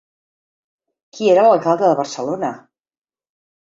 Qui era l'alcalde de Barcelona?